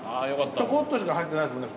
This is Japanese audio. ちょこっとしか入ってないですもんね。